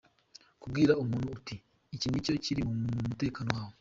Kubwira umutu uti: “Iki ni cyo kiri mu mutekano wawe.